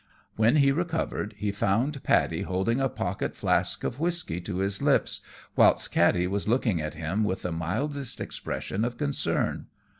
When he recovered he found Paddy holding a pocket flask of whisky to his lips, whilst Katty was looking at him with the mildest expression of concern.